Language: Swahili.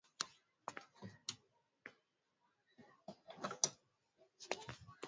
alishinda seti ya kwanza kwa pointi